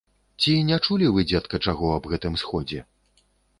Ці не чулі вы, дзедка, чаго аб гэтым сходзе?